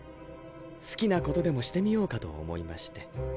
好きな事でもしてみようかと思いまして。